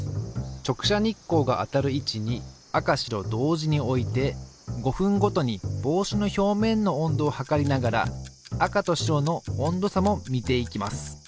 直射日光が当たる位置に赤白同時に置いて５分ごとに帽子の表面の温度を測りながら赤と白の温度差も見ていきます。